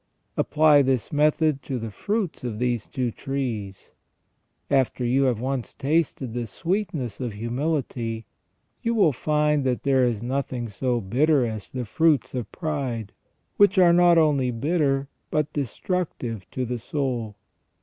Apply this method to the fruits of these two trees. After you have once tasted the sweetness of humility, you will find that there is nothing so bitter as the fruits of pride, which are not only bitter but destructive to the soul.